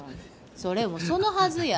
それもそのはずや。